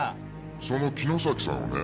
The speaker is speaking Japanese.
「その城崎さんをね